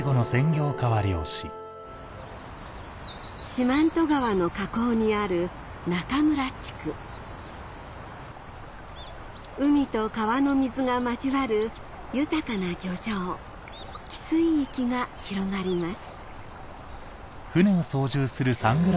四万十川の河口にある中村地区海と川の水が交わる豊かな漁場汽水域が広がります